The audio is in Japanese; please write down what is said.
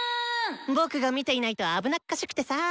僕が見ていないと危なっかしくてさ。